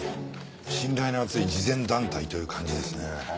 信頼の厚い慈善団体という感じですね。